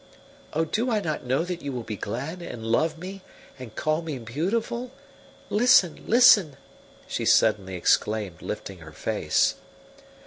Oh, do I not know that you will be glad, and love me, and call me beautiful? Listen! Listen!" she suddenly exclaimed, lifting her face.